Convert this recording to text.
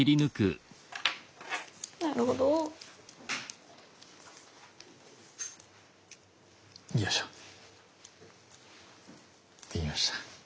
できました。